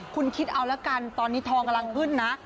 คุณคิดเอาละกันตอนนี้ทองกำลังขึ้นนะ